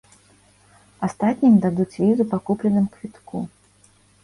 Астатнім дадуць візу па купленым квітку.